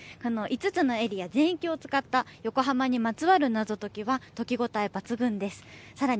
５つのエリア全域を使った横浜にまつわる謎解きが解き応え抜群です。